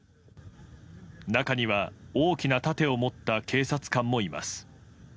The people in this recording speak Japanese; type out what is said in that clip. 中には、大きな盾を持った警察官もいます。